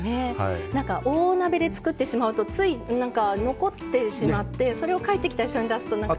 大鍋で作ってしまうとつい残ってしまってそれを帰ってきた人に出すのも。